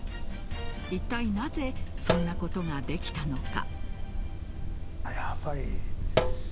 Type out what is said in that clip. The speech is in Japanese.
いったい、なぜそんなことができたのか。